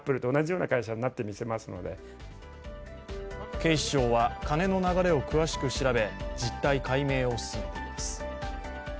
警視庁は金の流れを詳しく調べ、実態解明を進めています。